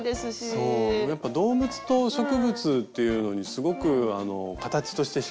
そうやっぱ動物と植物っていうのにすごくあの形としてひかれるので。